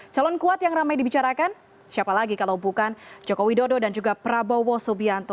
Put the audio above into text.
calon kuat yang ramai dibicarakan siapa lagi kalau bukan jokowi dodo dan juga prabowo subianto